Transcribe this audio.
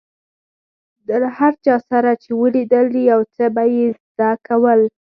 ده له هر چا سره چې ولیدل، يو څه به يې زده کول.